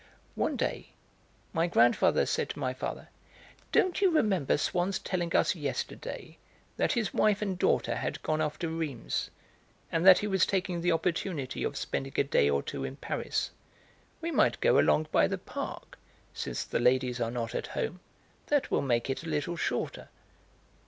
One day my grandfather said to my 'father: "Don't you remember Swann's telling us yesterday that his wife and daughter had gone off to Rheims and that he was taking the opportunity of spending a day or two in Paris? We might go along by the park, since the ladies are not at home; that will make it a little shorter."